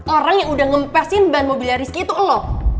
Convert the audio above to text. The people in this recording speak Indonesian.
orang yang udah ngempesin ban mobilnya rizky itu lo